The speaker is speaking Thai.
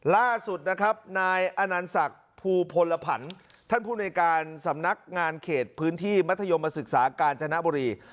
ล่าสุดนะครับนายอนันศักดิ์ภูพลผันท่านผู้ในการสำนักงานเขตพื้นที่มัธยมศึกษากาญจนบุรี